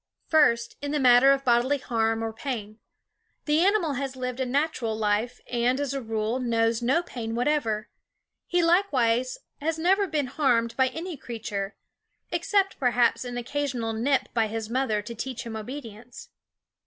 First, in the matter of bodily harm or pain : The animal has lived a natural life and, as a rule, knows no pain whatever. He likewise has never been harmed by any crea ture except perhaps an occasional nip by his mother, to teach him obedience.